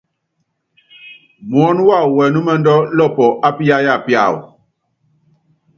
Muɔ́nɔ́ wawɔ wɛnúmɛndú lɔɔpɔ á piyáya piáwɔ.